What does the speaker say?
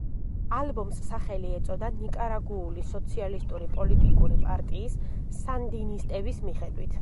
ალბომს სახელი ეწოდა ნიკარაგუული სოციალისტური პოლიტიკური პარტიის, სანდინისტების მიხედვით.